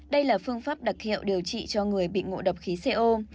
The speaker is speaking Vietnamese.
đây là phương pháp đặc hiệu điều trị cho người bị ngộ độc khí co